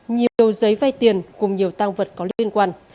nhiều giấy vai tiền cùng nhiều tang vật có liên quan